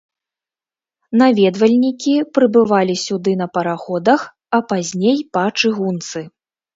Наведвальнікі прыбывалі сюды на параходах, а пазней па чыгунцы.